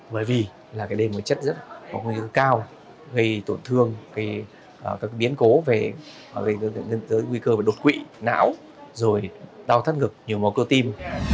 bởi vì đây là một chất rất cao gây tổn thương biến cố gây nguy cơ đột quỵ não đau thắt ngực nhiều mối cơ tim